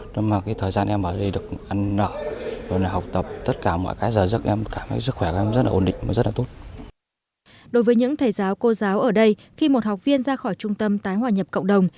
đối với những thầy giáo cô giáo ở đây khi một học viên ra khỏi trung tâm tái hòa nhập cộng đồng